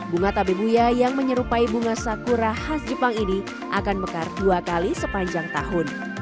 bunga tabebuya yang menyerupai bunga sakura khas jepang ini akan mekar dua kali sepanjang tahun